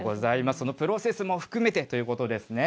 そのプロセスも含めてということですね。